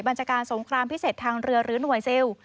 ัญชาการสงครามพิเศษทางเรือหรือหน่วยซิล